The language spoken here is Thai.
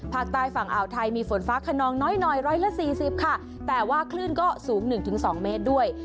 ภาคใต้ฝั่งอ่าวไทยมีฝนฟ้าขนองน้อยหน่อยร้อยละสี่สิบค่ะแต่ว่าคลื่นก็สูง๑๒เมตรด้วย